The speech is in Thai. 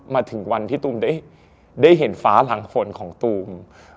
มาถึงวันที่ตูมได้เห็นฟ้าหลังฝนของตูม